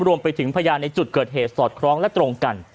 รวมไปถึงพยานในจุดเกิดเหตุสอดคล้องและตรงกัน